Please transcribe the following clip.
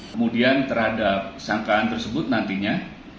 kemudian terhadap sangkaan tersebut nantinya